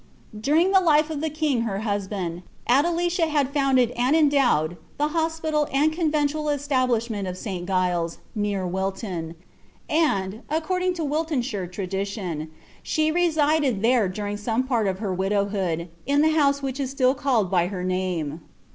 During tlie life of the king her husband, Adelicia had founded and endowed the hospital and conventual establishment of St. Giles, near Wilton;' and, according to a Wiltshire tradition, she resided there dur ing some part of her widowhood, in the house which is still called by her name.